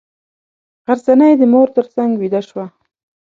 غرڅنۍ د مور تر څنګه ویده شوه.